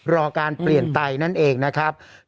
รอการเปลี่ยนไตนั่นเองนะครับ